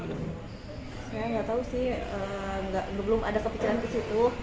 saya nggak tahu sih belum ada kepikiran ke situ